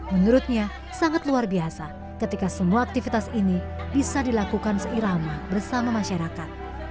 menurutnya sangat luar biasa ketika semua aktivitas ini bisa dilakukan seirama bersama masyarakat